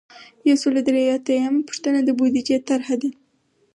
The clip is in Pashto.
یو سل او درې اتیایمه پوښتنه د بودیجې طرحه ده.